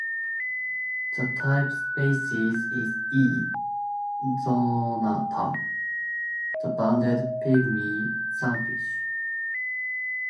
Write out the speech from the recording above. The type species is "E. zonatum," the banded pygmy sunfish.